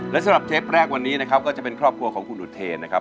และสำหรับเทปแรกวันนี้นะครับก็จะเป็นครอบครัวของคุณอุเทนนะครับ